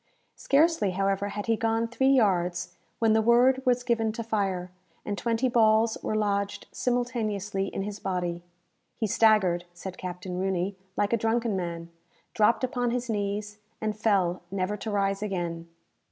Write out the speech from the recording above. Scarcely, however, had he gone three yards, when the word was given to fire, and twenty balls were lodged simultaneously in his body. "He staggered," said Captain Rooney, "like a drunken man, dropped upon his knees, and fell never to rise again."